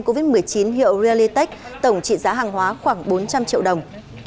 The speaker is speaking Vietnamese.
covid một mươi chín hiệu rilitech tổng trị giá hàng hóa khoảng bốn trăm linh triệu đồng